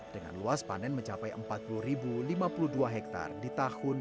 dengan luas panen mencapai empat puluh lima puluh dua hektare di tahun dua ribu dua puluh